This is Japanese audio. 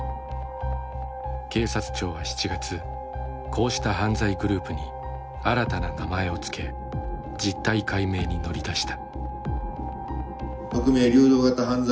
警察庁は７月こうした犯罪グループに新たな名前を付け実態解明に乗り出した。